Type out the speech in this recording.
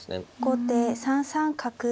後手３三角。